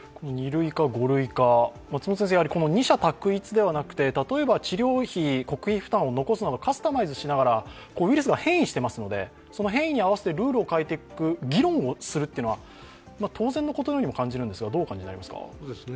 ２類か、５類か、二者択一ではなくて例えば治療費国費負担を残しながらカスタマイズしながらウイルスが変異していますのでその変異に合わせてルールを変えていく議論をするっていうことは当然のことのようにも感じるんですが、どうお感じですか。